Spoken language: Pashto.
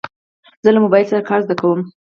زه له موبایل سره کار زده کوم.